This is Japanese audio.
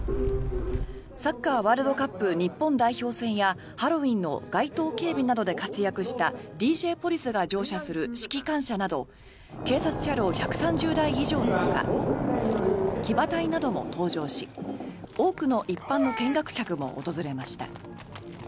サッカーワールドカップ日本代表戦やハロウィーンの街頭警備などで活躍したＤＪポリスが乗車する指揮官車など警察車両１３０台以上のほか騎馬隊なども登場し多くの一般の見学客も訪れました。